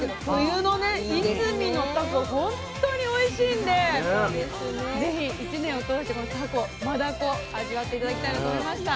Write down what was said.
本当においしいんでぜひ１年を通してこのタコマダコ味わって頂きたいなと思いました。